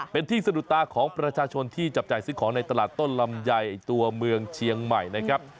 เป็นที่สะดุดตาของประชาชนที่จับจ่ายซื้อของในตลาดต้นลำไยตัวเมืองเชียงใหม่นะครับ